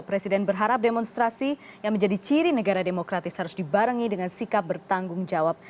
presiden berharap demonstrasi yang menjadi ciri negara demokratis harus dibarengi dengan sikap bertanggung jawab